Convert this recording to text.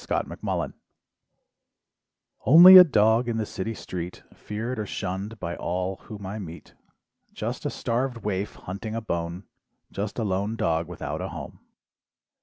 THE STRAY "Only a dog in the city street "Feared or shunned by all whom I meet, "Just a starved waif hunting a bone, "Just a lone dog without a home.